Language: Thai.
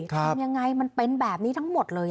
ทำยังไงมันเป็นแบบนี้ทั้งหมดเลย